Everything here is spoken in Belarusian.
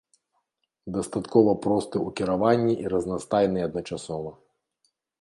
Дастаткова просты ў кіраванні і разнастайны адначасова.